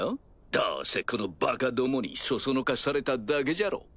どうせこのバカどもに唆されただけじゃろ。